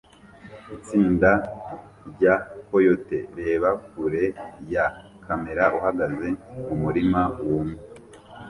Itsinda rya coyote reba kure ya kamera uhagaze mumurima wumye